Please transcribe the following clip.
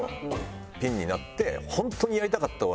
ピンになって。